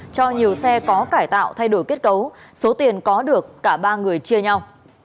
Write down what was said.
cho nhiều xe có cải tạo thay đổi kết cấu số tiền có được cả ba người chia nhau